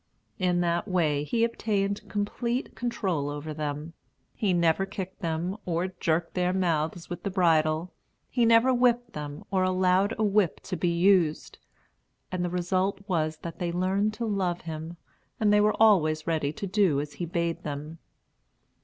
In that way, he obtained complete control over them. He never kicked them, or jerked their mouths with the bridle; he never whipped them, or allowed a whip to be used; and the result was that they learned to love him, and were always ready to do as he bade them.